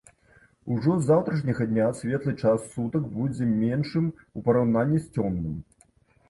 Ужо з заўтрашняга дня светлы час сутак будзе меншым у параўнанні з цёмным.